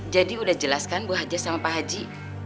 jadi udah jelaskan bu haji sama pak haji